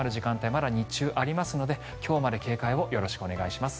まだ日中ありますので今日まで警戒をお願いします。